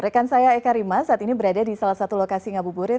rekan saya eka rima saat ini berada di salah satu lokasi ngabuburit